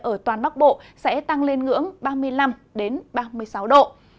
ở toàn bắc bộ sẽ tăng lên ngưỡng ba mươi năm ba mươi sáu độ